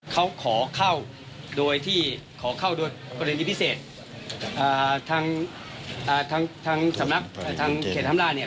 เขาขอเข้าโดยที่ขอเข้าโดยประเด็นที่พิเศษอ่าทั้งอ่าทั้งทั้งสำหรับทั้งเขตธำราเนี่ย